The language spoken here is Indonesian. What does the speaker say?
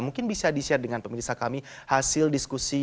mungkin bisa di share dengan pemirsa kami hasil diskusi